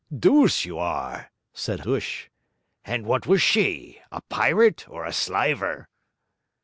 'Dooce you are!' said Hush. 'And what was she? a pirate or a slyver?'